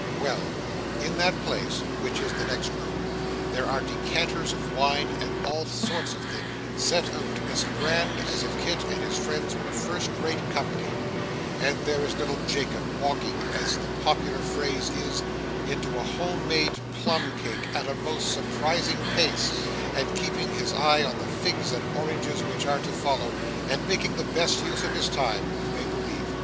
Well! In that place (which is the next room) there are decanters of wine, and all that sort of thing, set out as grand as if Kit and his friends were first rate company; and there is little Jacob, walking, as the popular phrase is, into a home made plum cake, at a most surprising pace, and keeping his eye on the figs and oranges which are to follow, and making the best use of his time, you may believe.